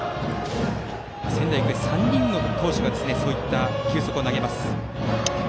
仙台育英は３人の投手がそういった球速を投げます。